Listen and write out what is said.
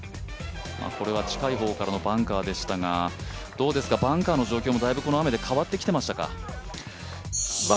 これは近い方からのバンカーでしたがバンカーの状況も、だいぶこの雨で変わってきてましたか？